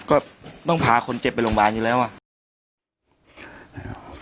ก็ต้องพาคนเจ็บไปโรงพยาบาลอยู่แล้วอ่ะนะครับ